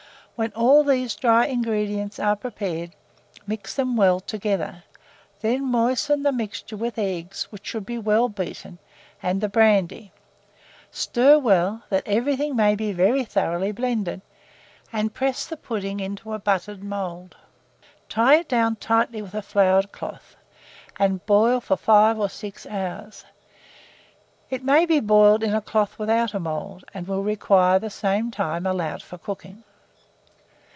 When all these dry ingredients are prepared, mix them well together; then moisten the mixture with the eggs, which should be well beaten, and the brandy; stir well, that everything may be very thoroughly blended, and press the pudding into a buttered mould; tie it down tightly with a floured cloth, and boil for 5 or 6 hours. It may be boiled in a cloth without a mould, and will require the same time allowed for cooking.